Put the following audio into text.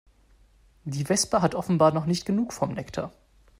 Die Wespe hat offenbar noch nicht genug vom Nektar.